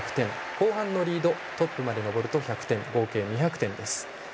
後半のリード、トップまで登ると１００点の合計２００点です。